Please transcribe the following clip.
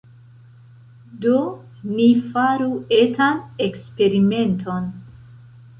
Do, ni faru etan eksperimenton.